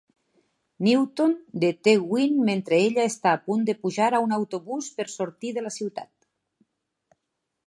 Newton deté Gwen mentre ella està a punt de pujar a un autobús per sortir de la ciutat.